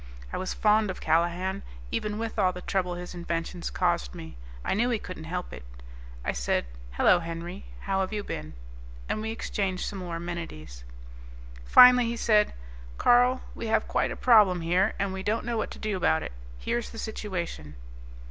I was fond of Callahan, even with all the trouble his inventions caused me; I knew he couldn't help it. I said, "Hello Henry. How have you been?" And we exchanged some more amenities. Finally he said, "Carl, we have quite a problem here, and we don't know what to do about it. Here's the situation."